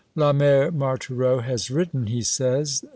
"La mere Marthereau has written," he says.